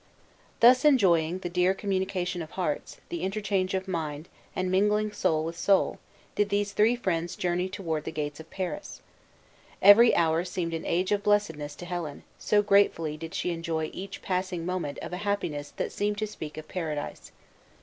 Thus enjoying the dear communion of hearts, the interchange of mind, and mingling soul with soul, did these three friends journey toward the gates of Paris. Every hour seemed an age of blessedness to Helen, so gratefully did she enjoy each passing moment of a happiness that seemed to speak of Paradise.